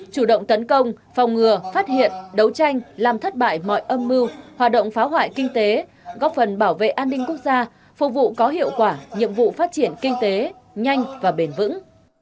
chủ động tấn công phòng ngừa phát hiện đấu tranh làm thất bại mọi âm mưu hoạt động phá hoại kinh tế góp phần bảo vệ an ninh quốc gia phục vụ có hiệu quả nhiệm vụ phát triển kinh tế nhanh và bền vững